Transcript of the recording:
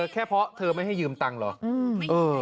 แค่เพราะเธอไม่ให้ยืมตังค์เหรอ